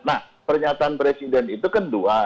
nah pernyataan presiden itu kan dua